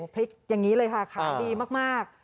พริกอย่างนี้เลยค่ะขายดีมาก